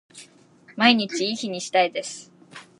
毎日いい日にしたいです